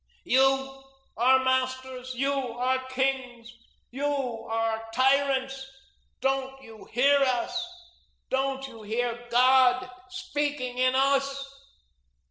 You, our masters, you, our kings, you, our tyrants, don't you hear us? Don't you hear God speaking in us?